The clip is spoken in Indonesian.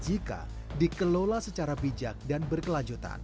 jika dikelola secara bijak dan berkelanjutan